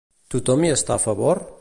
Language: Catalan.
Tothom hi està a favor?